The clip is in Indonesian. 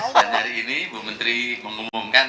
dan hari ini bumenteri mengumumkan